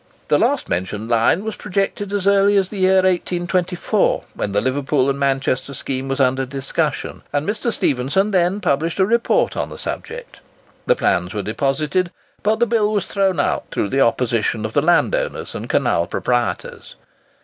The last mentioned line was projected as early as the year 1824, when the Liverpool and Manchester scheme was under discussion, and Mr. Stephenson then published a report on the subject. The plans were deposited, but the bill was thrown out through the opposition of the landowners and canal proprietors.